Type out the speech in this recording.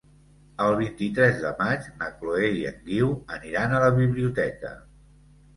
El vint-i-tres de maig na Chloé i en Guiu aniran a la biblioteca.